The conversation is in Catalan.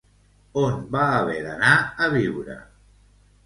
On va haver d'anar a viure?